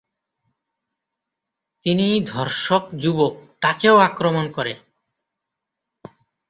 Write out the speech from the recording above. তিন ধর্ষক যুবক তাকেও আক্রমণ করে।